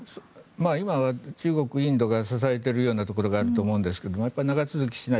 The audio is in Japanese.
今、中国、インドが支えているようなところがあると思いますがやっぱり長続きしない。